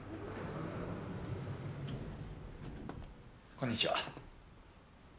こんにちは。